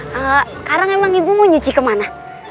sekarang emang ibu mau nyuci kemana